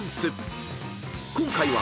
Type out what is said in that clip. ［今回は］